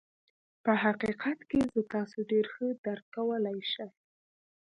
په حقيقت کې زه تاسو ډېر ښه درک کولای شم.